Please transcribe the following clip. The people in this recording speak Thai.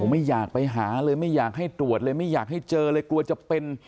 ไม่อยากไปหาเลยไม่อยากให้ตรวจเลยไม่อยากให้เจอเลยกลัวจะเป็น